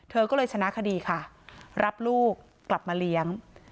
เธอก็เลยชนะคดีค่ะรับลูกกลับมาเลี้ยง